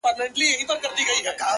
بس ده د خداى لپاره زړه مي مه خوره”